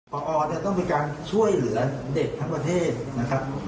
พอเนี่ยต้องมีการช่วยเหลือเด็กทั้งประเทศนะครับ